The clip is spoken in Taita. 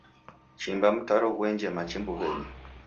Chimba mtaro ghuenje machi mbuwenyi